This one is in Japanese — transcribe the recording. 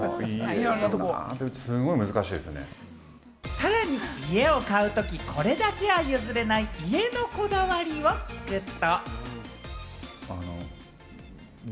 さらに家を買うとき、これだけは譲れない家のこだわりを聞くと。